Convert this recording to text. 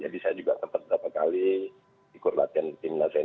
jadi saya juga sempat berapa kali ikut latihan timnas senior